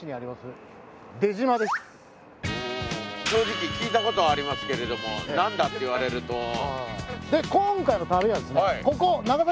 正直聞いたことはありますけれども何だって言われると。